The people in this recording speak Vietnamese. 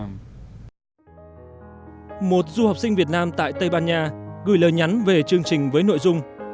một du học sinh việt nam tại tây ban nha gửi lời nhắn về chương trình với nội dung